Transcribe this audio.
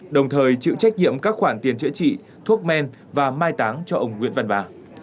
đồng thời chịu trách nhiệm các khoản tiền chữa trị thuốc men và mai táng cho ông nguyễn văn ba